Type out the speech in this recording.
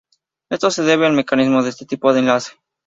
Esto se debe al mecanismo de este tipo de enlace.